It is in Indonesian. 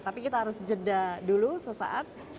tapi kita harus jeda dulu sesaat